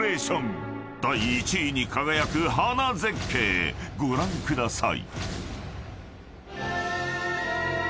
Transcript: ［第１位に輝く花絶景ご覧ください］